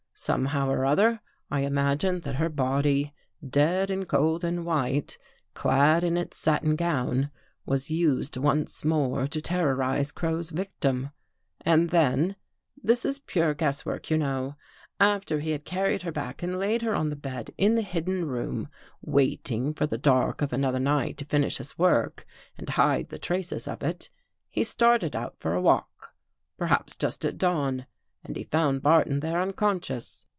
Somehow or other, I imagine that her body, dead and cold and white, clad in its satin gown, was used once more to ter rorize Crow's victim. And then — this is pure guesswork, you know — after he had carried her back and laid her on the bed in the hidden room, waiting for the dark of another night to finish his 262 A QUESTION OF CENTIMETERS work and hide the traces of it, he started out for a walk — perhaps just at dawn. And he found Bar ton there unconscious.